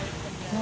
何？